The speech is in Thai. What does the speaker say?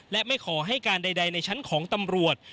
และไม่ขอให้การใดในชั้นของตำรวจ